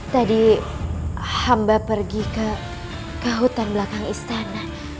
tadi hamba pergi ke hutan belakang istana